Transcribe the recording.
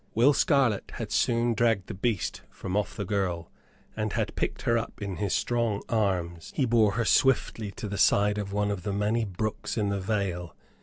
Will Scarlett had soon dragged the beast from off the girl, and had picked her up in his strong arms. He bore her swiftly to the side of one of the many brooks in the vale.